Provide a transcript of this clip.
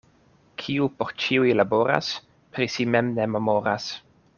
Kiu por ĉiuj laboras, pri si mem ne memoras.